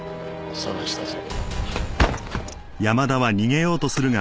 捜したぞ。